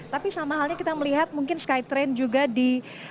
tapi sama halnya kita melihat mungkin skytrain juga di